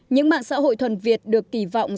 những mạng xã hội thuần việt được kỳ vọng